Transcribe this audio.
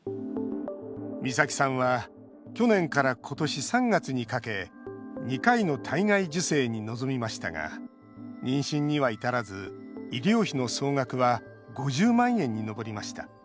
美咲さんは去年から今年３月にかけ２回の体外受精に臨みましたが妊娠には至らず医療費の総額は５０万円に上りました。